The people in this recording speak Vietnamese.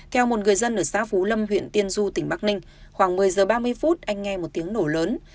theo một người dân ở xã phú lâm huyện tiên du tỉnh bắc ninh khoảng một mươi giờ ba mươi phút anh nghe một tiếng nổ lớn